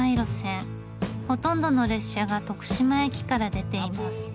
ほとんどの列車が徳島駅から出ています。